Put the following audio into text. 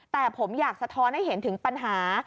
แต่ผมอยากสะท้อนให้เห็นถึงปัญหา